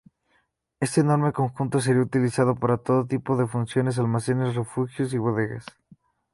Este enorme conjunto sería utilizado para todo tipo de funciones, almacenes, refugios, bodegas.